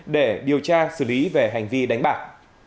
để điều tra xử lý về hành vi đánh bạc